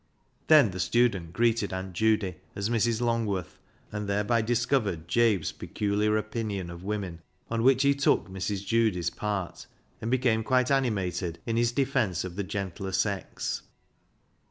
Then the student greeted Aunt Judy as Mrs. Longworth, and thereby discovered Jabe's peculiar opinion of women, on which he took Mrs. Judy's part, and became quite animated in his defence of the gentler sex.